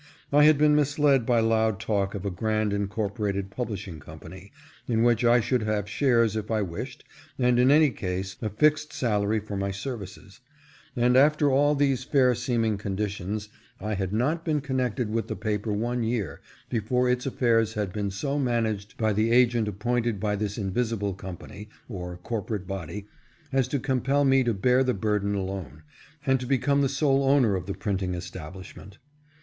I had been misled by loud talk of a grand incorporated publish ing company, in which I should have shares if I wished, and in any case a fixed salary for my services ; and after all these fair seeming conditions I had not been connected with the paper one year before its affairs had been so managed by the agent appointed by this invisible com pany, or corporate body, as to compel me to bear the bur den alone, and to become the sole owner of the printing establishment.